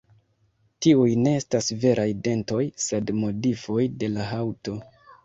Tiuj ne estas veraj dentoj, sed modifoj de la haŭto.